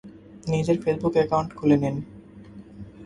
নিজের Facebook account খুলে নিন।